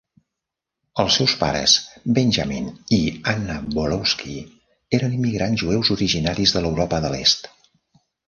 Els seus pares, Benjamin i Anna Bolotsky, eren immigrants jueus originaris d'Europa de l'Est.